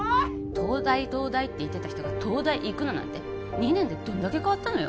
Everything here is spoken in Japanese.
東大東大って言ってた人が東大行くななんて２年でどんだけ変わったのよ